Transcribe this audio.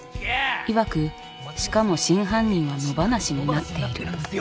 いわくしかも真犯人は野放しになっていると。